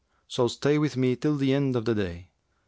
So stay with me till the end of the day.'